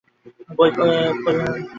কই আমায় তো পুজোর কথা কিছু বললে না।